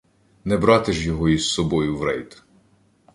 Не брати ж його із собою в рейд.